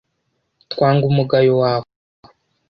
twanga umugayo wawe.